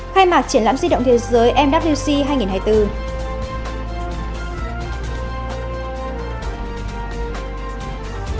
khai mạc triển lãm di động thế giới mwc